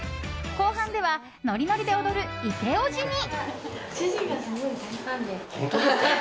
後半ではノリノリで踊るイケオジに。